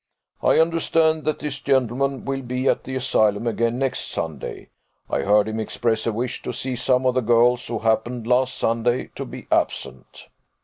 I understand that this gentleman will be at the Asylum again next Sunday; I heard him express a wish to see some of the girls who happened last Sunday to be absent."